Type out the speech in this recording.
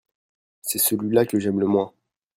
c'est celui-là que j'aime le moins.